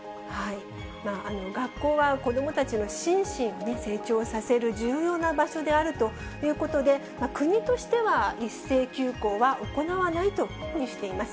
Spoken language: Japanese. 学校は子どもたちの心身を成長させる重要な場所であるということで、国としては一斉休校は行わないというふうにしています。